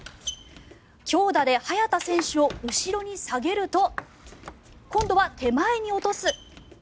強打で早田選手を後ろに下げると今度は手前に落とす。